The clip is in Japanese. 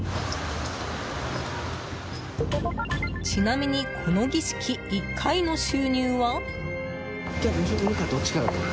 ちなみに、この儀式１回の収入は？